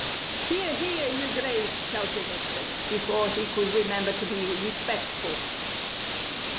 "Hear, hear! your Grice!" shouted Nickson, before he could remember to be respectful.